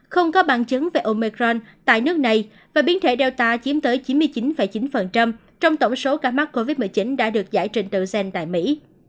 không có bằng chứng về omicron tại nước này và biến thể delta chiếm tới chín mươi chín chín trong tổng số ca mắc covid một mươi chín đã được giải trên tựa gen tại mỹ